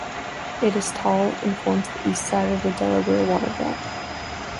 It is tall, and forms the east side of the Delaware Water Gap.